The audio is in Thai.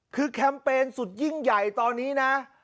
คือแคมเปญสุดยิ่งใหญ่ตอนนี้นะ